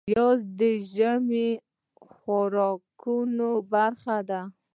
پیاز د ژمي خوراکونو برخه ده